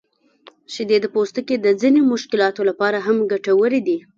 شیدې د پوستکي د ځینو مشکلاتو لپاره هم ګټورې دي.